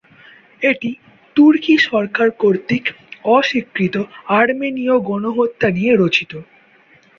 এটি তুর্কি সরকার কর্তৃক অস্বীকৃত আর্মেনীয় গণহত্যা নিয়ে রচিত।